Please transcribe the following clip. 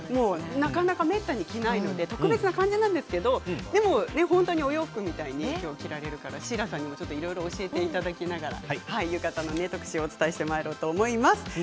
なかなかめったに着ないので特別な感じなんですけど本当にお洋服みたいに着られるからシーラさんにいろいろ教えていただきながら浴衣の特集をお伝えしていこうと思います。